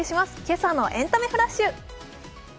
今朝のエンタメフラッシュ。